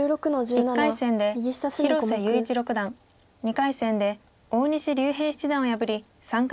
１回戦で広瀬優一六段２回戦で大西竜平七段を破り３回戦出場です。